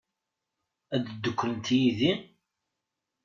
Ad dduklent yid-i?